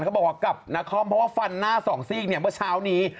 เขาบอกว่ากับนครเพราะว่าฟันหน้าสองซีกเนี่ยเมื่อเช้านี้